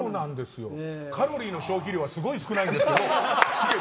カロリーの消費量はすごい少ないですけど。